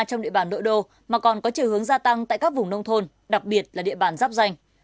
trong địa bàn nội đô mà còn có chiều hướng gia tăng tại các vùng nông thôn đặc biệt là địa bàn giáp danh